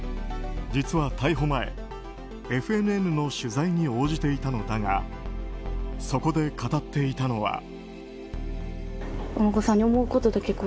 実は逮捕前ＦＮＮの取材に応じていたのだがそこで語っていたのは。